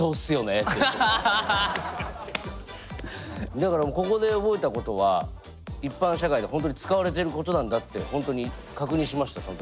だからここで覚えたことは一般社会で本当に使われていることなんだって本当に確認しましたその時。